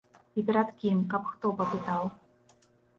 І перад кім, каб хто папытаў?!